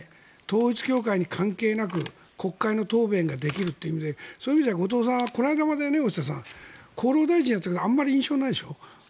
統一教会に関係なく国会の答弁ができるという意味でそういう意味じゃ後藤さんはこの間まで厚労大臣をやっていたけどあまり印象がないでしょ。